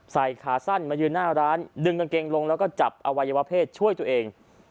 ขาสั้นมายืนหน้าร้านดึงกางเกงลงแล้วก็จับอวัยวะเพศช่วยตัวเอง